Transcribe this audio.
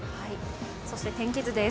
そして天気図です。